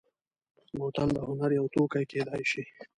بوتل د هنر یو توکی کېدای شي.